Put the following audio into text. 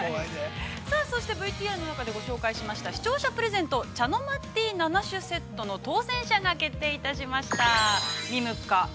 そしてＶＴＲの中でご紹介しました、視聴者プレゼント、茶の間ティー７種セットの当せん者が決定いたしました。